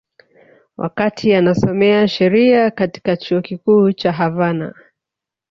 Wakati anasomea sheria katika Chuo Kikuu cha Havana